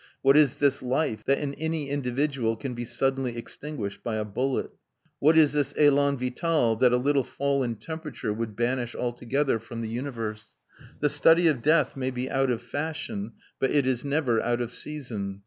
What is this life, that in any individual can be suddenly extinguished by a bullet? What is this elan vital, that a little fall in temperature would banish altogether from the universe? The study of death may be out of fashion, but it is never out of season.